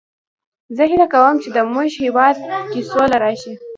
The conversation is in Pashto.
زه هیله کوم چې د مونږ هیواد کې سوله راشي